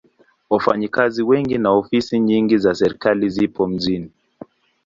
Wafanyakazi wengi na ofisi nyingi za serikali zipo mjini.